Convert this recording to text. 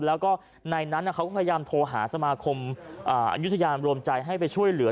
แล้วก็ในนั้นเขาก็พยายามโทรหาสมาคมอายุทยามรวมใจให้ไปช่วยเหลือ